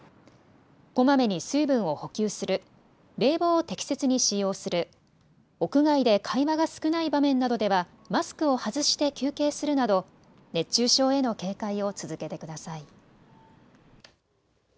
こまめに水分を補給する、冷房を適切に使用する、屋外で会話が少ない場面などではマスクを外して休憩するなど熱中症への警戒を続けてください。